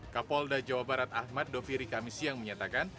kapolda jawa barat ahmad doviri kamis yang menyatakan